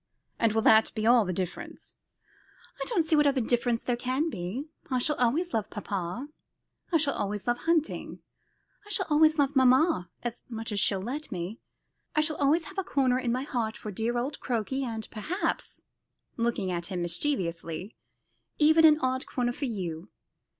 "And will that be all the difference?" "I don't see what other difference there can be. I shall always love papa, I shall always love hunting, I shall always love mamma as much as she'll let me. I shall always have a corner in my heart for deal old Crokey; and, perhaps," looking at him mischievously, "even an odd corner for you.